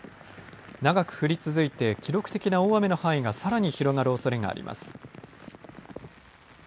長く降り続いて記録的な大雨の範囲がさらに広がるおそれがあります。